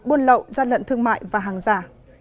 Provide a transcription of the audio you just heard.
buôn lậu gian lận thương mại và hàng giả